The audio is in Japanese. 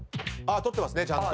取ってますねちゃんと。